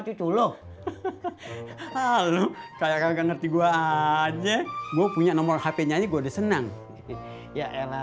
cucu lo halo kayak nggak ngerti gua aja gue punya nomor hp nyanyi gue udah senang ya elah